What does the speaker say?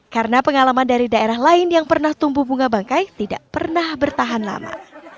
karena pengalaman dari daerah lain yang pernah tumbuh bunga bangkai tidak pernah bertahan lama